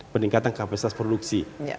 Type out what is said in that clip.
peningkatan kapasitas produksi